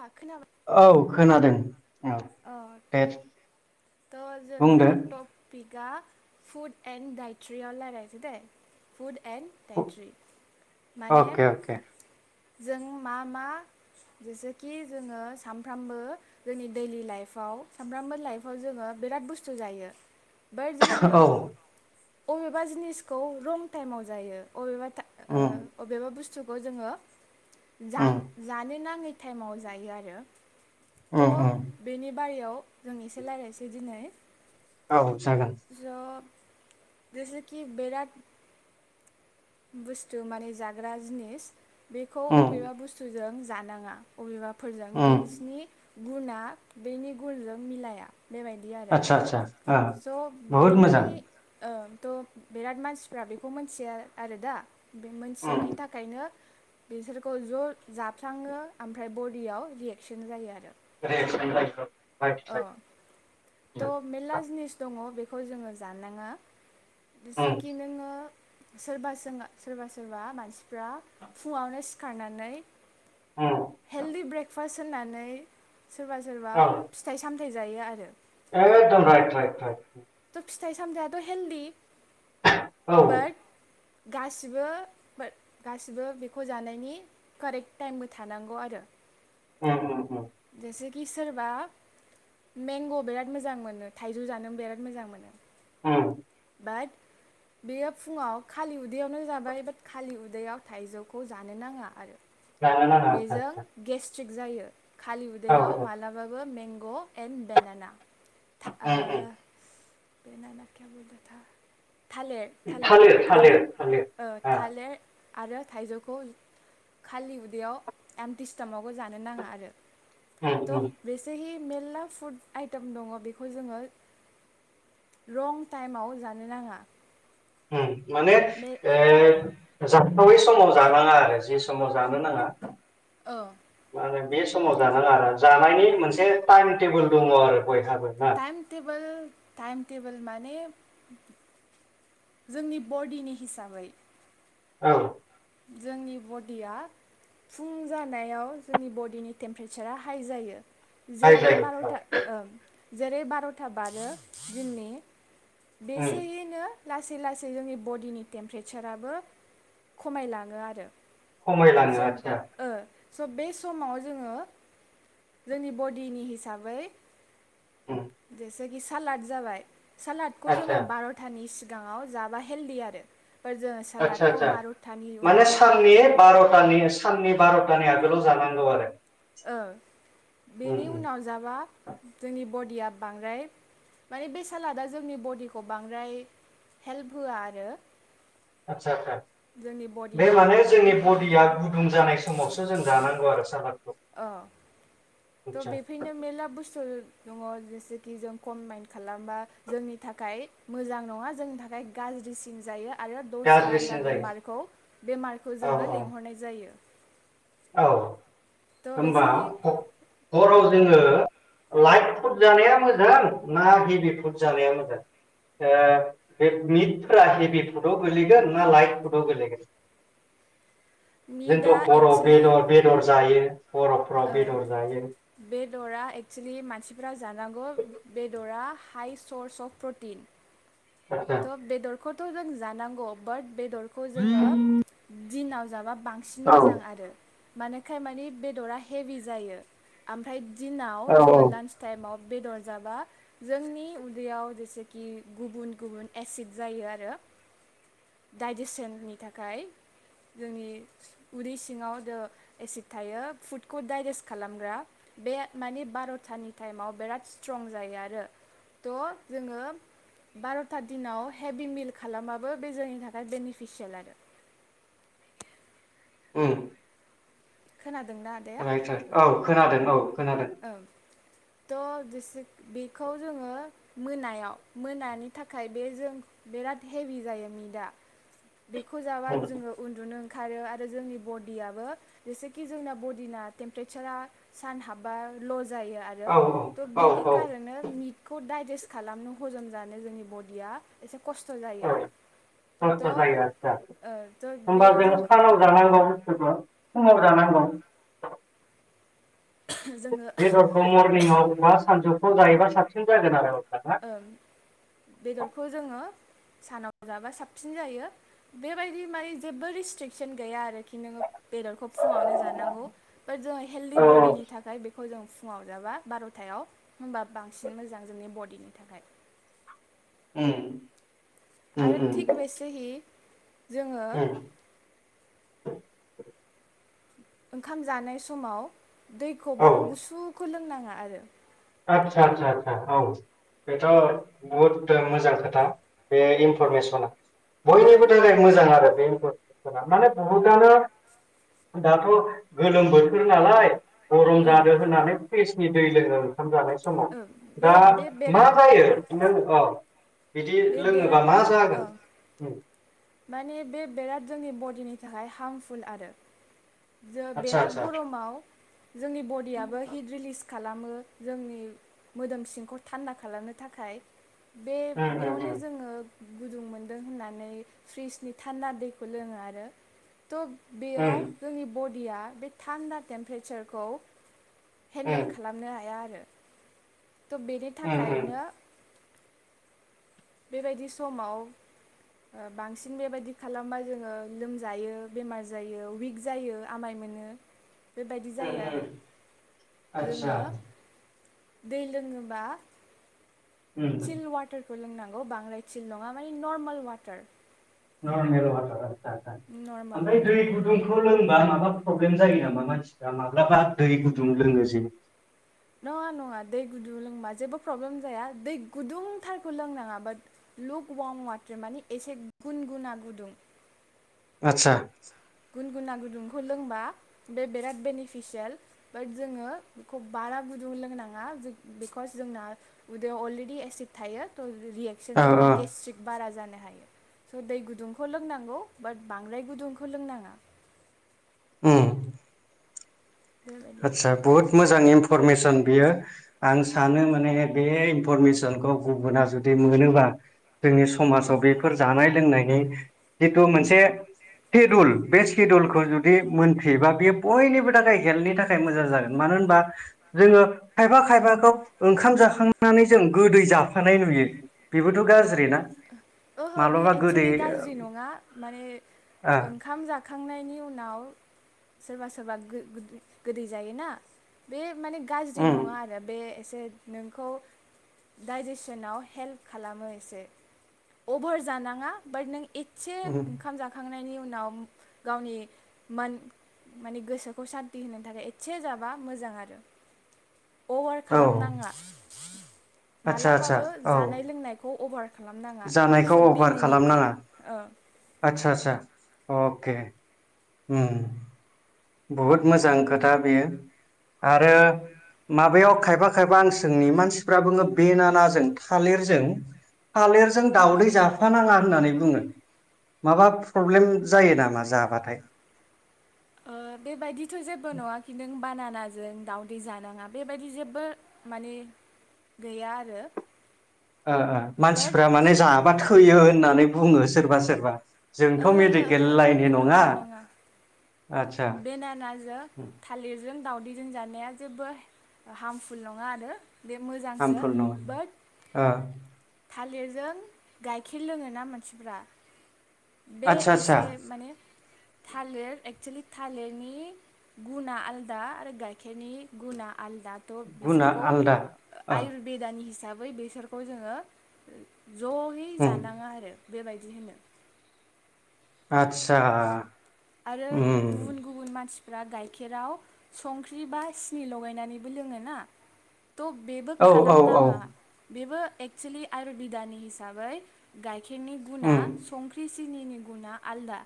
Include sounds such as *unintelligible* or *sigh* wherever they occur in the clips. अ खोनाबाय औ खोनादों औ अ दे थ जों बुंदो दा टपिक दा फुड एन दायेदथ्रियाव रायलायसै दे एन्ड डायेथ्रि माने अके अके जों मा मा जेसेखि जोङो सानफ्रामबो जोंनि दैलि लाइफआव सानफ्रामबो लाइफ खौ जोङो बिराद बुस्थु जायो *unintelligible* जोङो औ अबेबा जिनिसखौ रं टाइमाव जायो अबेबा उम ओ अबेबा बुस्थ बुस्थुखौ जोङो उम जान जानो नाङै टाइमाव जायो आरो। उम त उम बेनि फारियाव जों एसे रायलायनोसै दिनै। औ जागोन ज जेसेखि बेेराद बुस्थु माने जाग्रा जिनिस बेखौ उम अबेबा बुस्थुजों जानाङा अबेबा फोरजों उम बेनिसि गुनाआ बेनि गुनजों मिलाया। बेबायदि आरो आदसा आदसा ओ स' बहुद बिनि मोजां ओ थ' बिराद मानसिफ्रा बेखौ मिथिया आरोदा बे उम मोनथियैनि थाखायनो बिसोरखौ ज' जाफ्लाङो ओमफ्राय बडियाव रियेकसन जायो आरो। रिएकसन जायो औ। औ थ' मेरला जिनिस दङ बे खौ जोङो जानाङा उम जेसेखि नोंङो सोरबा सोंङा सोरबा सोरबा मानसिफ्रा फुङावनो सिखारनानै उम हेल्दि ब्रेकफ फास होननानै सोरबा सोरबा औ फिथाइ सामथाइ जायो आरो। एकदम राइट राइट राइट। थ' फिथाइ सामथायाथ' हेल्दि औ बाट उम गासिबो फो गासिबो बेखौ जानायनि कारेक्ट टाइमबो थानांगौ आरो। उम्म उम्म बि सोरबा मेंग' बिराद मोजां मोनो थाइजौ जानो बिराद मोजां मोनो। उम्म बाट बेयो फुङाव खालि उदैयावनो जाबाय बाट खालि उदैयाव थाइजौखौ जानो नाङा आरो। जानो नांङा आतसा आतसा। थिग जायो खालि उदैयाव मालाबाबो में ग' एनडेनाना था उम उम ओ। *unintelligible* थालेर थालेर थालिर थालैर थालिर थालिर ओ आ थालेर आरो थाइजौखौ खालि उदैयाव एमटि स्टमाकाव जानो नाङा आरो। उम थ' उम बेेसे हि मेरला फुड आइटेम दङ बेखौ जोङो रं टाइमाव जानो नाङा। उम। माने बे ए जाथावै समाव जानाङा आरो जे समाव जानो नाङा। औ। मा होनो बे समाव जानाङा आरो जानायनि मोनसे टाइम टेबोल दङ आरो। बयहाबो ना टाइम टेबोल टाइम टेबोल। माने जोंनि बडिनि हिसाबै औ। जोंनि बडिया फुं जानायाव जोंनि बडिनि टेम्प्रेसारा हाइ जायो। हाय जेरै जायो औ बार'था ओं जेरै बार'था बारो जोंनि उम बेसेहिनो लासै लासै जोंनि बडिनि टेम्प्रेसाराबो खमायलाङो आरो। स' खमायलाङो ओ आतसा। स' बे समाव जोङो जोंनि बडिनि हिसाबै उम *unintelligible* *unintelligible* सालाद जाबाय। सालादखौ आदसा जोङो बार'थानि सि सिगाङाव जाबा हेल्डि आरो। फोर जोङो आदसा सालादखौ आदसा बार' माने साननि बार'थानि साननि बार' थानि आगोलाव जानांगौ आरो। ओ उम बेनि उम उनाव जाबा जोंनि बडिया बांद्राय माने बे सालादा जोंनि बडिखौ बांद्राय हेल्प होआ आरो। आतसा आतसा। जोंनि बे बडिनि माने थाखाय जोंनि बांद्राय हेल्प बडिया जाया गुदुं जानाय समावसो जों जानांगौ आरो सालाद अ थ' बेफोरनो मेरला बुस्थु दङ जेसेखि जों कमबाइन खालामबा जोंनि थाखाय मोजां नङा जोंनि थाखाय गाज्रिसिन जायो। आरो दस्रा आलदा गाज्रिसिन जायो बेमारखौ बेमारखौ औ जोंङो औ लेंहरनाय जायो। औ थ' होमबा बेसेहि ह हराव जोंङो लाइट फुड जानाया मोजां ना हेभि फुड जानाया मोजां ओ बे मिटफोरा हेभि फुडआव गोलैगोन ना लाइट फुडआव गोलैगोन? मिदा जोंथ' एक्स हराव बेदर बेदर जायो हर'फ्राव ओ बेदर जायो बेदरा एक्सुलि मानसिफ्रा जा जानांगौ बेदरा हाइ सर्स अफ प्रटिन आदसा थ बेदर खौथ' जों जानांगौ बाट बेदरखौ जोंङो दिनाव जाबा बांसिन औ मोजां आरो मानोखाय मानि बेदरा हेभि जायो ओमफ्राय दिनाव औ औ जोङो लान्च टाइमाव बेदर जाबा जोंनि उन्दैयाव जेसेखि गुबुन गुबुन एसिड जायो आरो डाइजेसननि थाखाय जोंनि उदै सिङाव जा एसिड थायो फुडखौ डाइजेस्ट खालामग्रा बे मानि बार'थानि टाइमाव बिराद स्ट्रं जायो आरो थ' जोङो बार सपता दिनाव हेभि मिल खालामबाबो बे जोंनि थाखाय बेनिफिसियेल आरो उ खोनादोंना आदाया *unintelligible* औ खोनादों औ खोनादों। ओं थ' जेसे बेखौ जोंङो मोनायाव मोनानि थाखाय बे जों बिराद हेभि जायो मिदा बेखौ जाबा उम, जोंङो उन्दुनो खारो आरो जोंनि बडियाबो जेसेखि जोंना बडिना टेम्पारेसारा सान हाब बा ल' जायो औ आरो थ' औ बेनि औ खारनो खौ डाइजेस्ट खालामनो हजम जानो जोंनि बडिया एसे खस्थ' जायो औ आरो खस्थ' थह जायो आदसा होमबा जों सानाव जानांगौ बुस्थुखौ फुंङाव जानांगौ जोङो बेदरखौ मरनिंआव बा सानजौफु जायोब्ला साबसिन जागोन आरो अब्लाना ओ बेदरखौ जोंङो सानाव जाबा साबसिन जायो बेबायदि माने जेबो रेस्ट्रिकसन गैया आरोखि नोंङो बेदरखौ फुंङावनो जानांगौ बाट जोङो हेल्दि औ बडिनि थाखाय बेखौ जों फुंङाव जाबा बार'थायाव होमबा बांसिन मोजां जोंनि बडिनि थाखाय। ओम आरो थिक बेसे हि जोंङो उम ओंखाम जानाय समाव दैखौ औ बारा गुसुखौ लोंनां आ आरो। आदसा आदसा आसा औ बेथ' बुहुद मोजां खोथा बे इनफरमेसना ओं बयनिबो थाखाय मोजां आरो बे‌ *unintelligible* माने बुहुतनो दाथ' गोलोम बोथोर नालाय गरम औ जादों होननानै‌ फ्रिस सनि दै लोङो। ओंखाम जानाय समाव ओं बे दा बे मा बिराद जायो बियो अ बिदि बे बिराद लोंङोंबा मा जागोन? ओं माने बे बेराद जोंनि बडिनि थाखाय हार्मफुल आरो जो आदसा बिराद आदसा गरमाव जोंनि बडियाबो हिट रिलिज खालामो जोंनि मोदोम सिंखौ थान्दा खालामनो थाखाय बे‌ उम उम बेयावनो उम जोंङो गुदुं मोनदों होननानै फ्रिजनि थान्दा दैखौ लोंङो आरो। थ' बेयाव उम जोंनि बड दिया बे थान्दा टेम्पारेचारखौ हेन्देल खालामनो हाया आरो। थ' बेनि थाखायनो बेबायदि समाव ओ बांसिन बेबायदि खालामबा जोंङो लोमजायो, बेमार जायो, उिक जायो आमाय मोनो बेबायदि जायो आरो। आतसा जोङो दै लोङोबा उम चिल वाटार खौ लोंना न *unintelligible* नङा माने नर्मेल वाटार। नर्मेल वाटार ओ हो नर्माल ओमफ्राय दै वाटार गुदुंखौ लों माबा प्रब्लेम जायो नामा मानसिफ्रा माब्लाबा दै गुदुं लोङो जे? नङा नङा दै गुदुं लोंबा जेबो प्रब्लेम जाया दै गुदुंथारखौ लोंनाङा बाट लुक वार्म वाटार माने एसे गुन गुना गुदुं। आतसा गुनगुना गुदुंखौ लोंबा बे बिराद बेनिफिसियेल बाट जोङो बेखौ बारा गुदुं लोंनाङा बिकस जोंना उदै अलरेडि एसिड थायो थ' रियेकसन औ जाबा औ गेसट्रिक बारा जान हायो। स' दै गुदुंखौ लोंनांगौ बात बांद्राय गुदुंखौ लोंनाङा उम बेबायदि आतसा बहुत मोजां इनफरमेसन बियो आं सानो माने बे इनफरमेसनखौ गुबुना जुदि मोनोबा जोंनि समाजाव बेफोर जानाय लोंनाय जिथु मोनसे सेदुल बे सेदुलखौ जुदि मोनफियोबा बेयो बयनिबो थाखाय हेल्थनि थाखाय थाखाय मोजां जागोन मानो होनबा जोङो खायफा खायफाखौ ओंखाम जाखांनानै जों गोदै जाफानाय नुयो बेबोथ' गाज्रि ना। ओहो बे माब्लाबा गोदै एक्सुलि गाज्रि नङा माने ओ ओंखाम जाखांनायनि उनाव सोरबा सोरबा गो-गोदै गोदै जायोना बे माने गाज्रि उम नङा आरो बे बे नोंखौ डाइजेसनाव हेल्प खालामो एसे अभार जानाङा बाट नों ए से उम ओंखाम जाखांनायनि उनाव गावनि मान-माने गोसोखौ सान्ति होनो थाखाय एसे जाबा मोजां आरो। अभार औ खालामनाङा आदसा आदसा मालाबाबो औ जानाय लोंनायखौ अभार खालामनाङा खौ सुड बि अबार लिमिटेड खालामनाङा। ओ आदसा आदसा अके उम बुहुद मोजां खोथा बेयो। आरो माबायाव खायफा खायफा आं सोंनि मानसिफ्रा बुङो बेनानाजों थालिरजों थालिरजों दावदै जाफानाङा होननानै बुङो। माबा प्रब्लेम जायो नामा जाबाथाय? ओ बेबायदिथ' जेबो नङा खिन्थु बानानाजों दाउदै जानाङा बेबायदि जेबो माने, गैया आरो ओ ओ बाट मानसिफ्रा माने जाबा थैयो होननानै बुंङो सोरबा सोरबा जोंथ' मेडिकेल ओहो-ओहो लाइननि नङा नंङा-नंङा आदसा बेनानाजों उम थालिरजों दावदैजों जानाया जेबो हामफुल नंङा आरो। बे मोजांसो हार्मफुल नङा बाट ओ थालिरजों गाइखेर लोंङो ना मानसिफ्रा बे आदसा आदसा एसे माने थालिर एक्सुेलि थालिरनि गुना आलदा आरो गाइखेरनि गुनाआ आलदाथ गुना बिसोरखौ आलदा ओ आयुरबेदानि हिसाबै बै बेसरखौ जोंङो जयै उम जानाङा आरो। बेबायदि होनो। आतसा आ आरो उम गुबुन गुबुन मानसिफ्रा गाइखेराव संख्रि बासि लगायनानैबो लोंङो ना थ बेबो औ औ औ खालामनांङा बेबो एक्सवलि आयर बिधानि हिसाबै गायखे गाइखेरनि गुना उम संख्रि सिनिनि गुना आलदा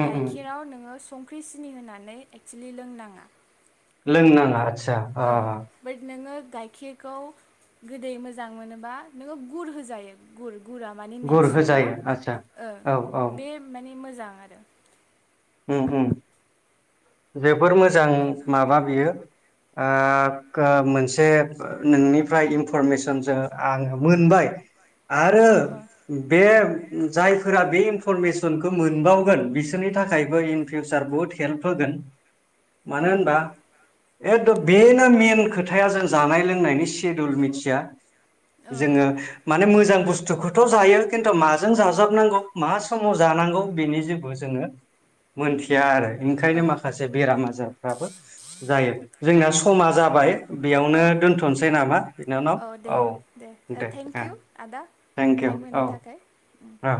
उम उम गाइखेराव नोंङो सं सिनि होनानै एक्सुेलि लोंनाङा लोंनाङा आस ओ बाट नोंङो गाइखेरखौ गोदै मोजां मोनोबा नोंङो गुर होजायो गुर गुरा माने गुर नेचारेल ना होजायो आदसा ओ औ औ बे माने मो मोजां आरो। उम उम बेफोर मोजां माबा बियो ओ‌ मोनसे नोंनिफ्राय इनफरमेसन जों आङो मोनबाय आरो औ औ बे। जायफोरा बे इनफरमेसनखौ मोनबावगोन बिसोरनि थाखायबो इन फिउचार बहुत हेल्प होगोन। औ मानो होनबा एद बेनो मेन खोथाया जों जानाय लोंनायनि सिदुल मिथिया। जोंङो औ माने मोजां बुस्थुखौथ जायो खिन्थु माजों जाजाबनांगौ मा समाव जानांगौ बेनि जेबो जोंङो मोनथिया आरो। औ ओंखायनो माखासे बेराम आजारफ्राबो जायो जोंना समा जाबाय बेयावनो औ दोनथ'सै नामा बिनानाव दे औ दे थेंक इउ आदा थेंकिउ टाइम होनो औ थाखाय औ।